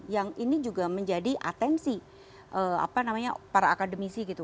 yang ini juga menjadi atensi para akademisi gitu